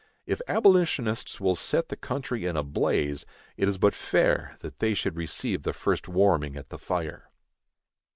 If abolitionists will set the country in a blaze, it is but fair that they should receive the first warming at the fire.